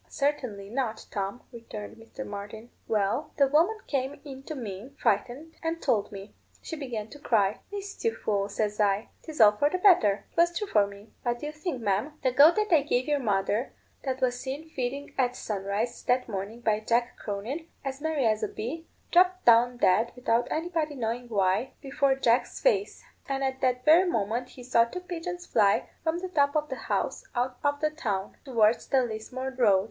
"Certainly not, Tom," returned Mr. Martin. "Well, the woman came in to me, frightened, and told me. She began to cry. 'Whist, you fool?' says I; 'tis all for the better.' 'Twas true for me. What do you think, ma'am; the goat that I gave your mother, that was seen feeding at sunrise that morning by Jack Cronin, as merry as a bee, dropped down dead without anybody knowing why, before Jack's face; and at that very moment he saw two pigeons fly from the top of the house out of the town, towards the Lismore road.